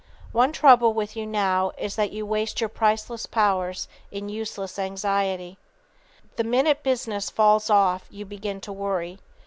One trouble with you now is that you waste your priceless powers in useless anxiety. The minute business falls off you begin to worry.